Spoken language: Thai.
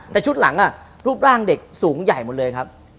แต่ชุดหลังรูปร่างเด็กสูงใหญ่หมดเลยครับ